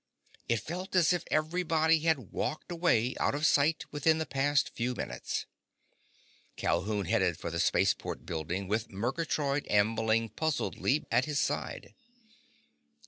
It felt as if everybody had walked away, out of sight, within the past few minutes. Calhoun headed for the spaceport building with Murgatroyd ambling puzzledly at his side.